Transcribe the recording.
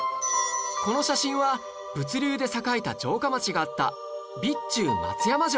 この写真は物流で栄えた城下町があった備中松山城